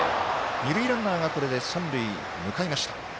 二塁ランナーがこれで三塁に向かいました。